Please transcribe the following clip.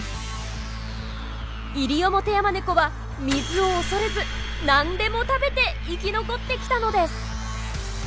イリオモテヤマネコは水を恐れずなんでも食べて生き残ってきたのです。